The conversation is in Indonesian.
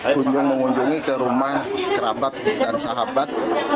kunjung mengunjungi ke rumah kerabat dan sahabat